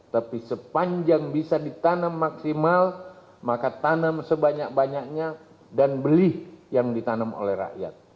tapi sepanjang bisa ditanam maksimal maka tanam sebanyak banyaknya dan beli yang ditanam oleh rakyat